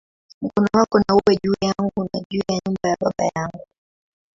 Mkono wako na uwe juu yangu, na juu ya nyumba ya baba yangu"!